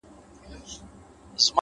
هره لاسته راوړنه له کوچني پیل زېږي،